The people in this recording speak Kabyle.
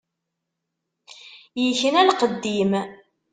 Ikna lqedd-im.